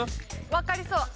わかりそう。